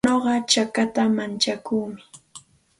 Nuqa chakata mantsakuumi.